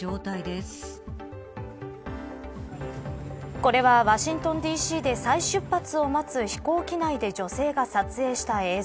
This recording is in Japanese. これは、ワシントンＤ．Ｃ．で再出発を待つ飛行機内で女性が撮影した映像。